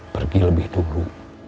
pergi lebih dulu